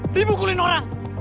terima ngukulin orang